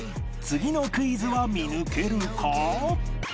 次のクイズは見抜けるか？